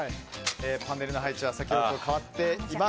パネルの配置は先ほどと変わっています。